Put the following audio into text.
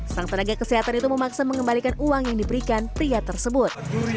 sang tenaga kesehatan itu memaksa mengembalikan uang yang diberikan pria tersebut